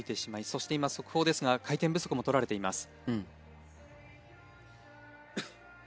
そして今速報ですが回転不足もとられています。